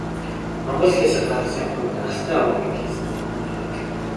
Монгол хэл гарлын хувьд Алтай овгийн хэлэнд хамаардаг.